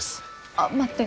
ああ待って。